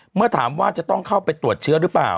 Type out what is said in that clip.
เมื่อถามว่าจะต้องเข้าไปตรวจเชื้อหรือเปล่า